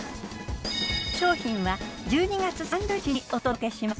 商品は１２月３０日にお届けします。